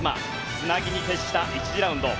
つなぎに徹した１次ラウンド。